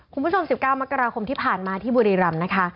คุณผู้ชม๑๙มกราคมที่ผ่านมาที่บุรีรำนะคะ